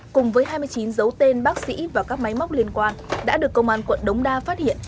cùng với hai mươi chín dấu tên bác sĩ và các máy móc liên quan đã được công an quận đống đa phát hiện